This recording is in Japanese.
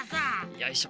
よいしょ。